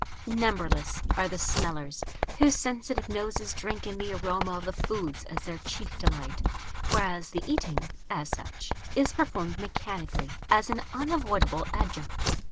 Numberless are the "smellers" whose sensitive noses drink in the aroma of the foods as their chief delight, whereas the eating, as such, is performed mechanically, as an unavoidable adjunct.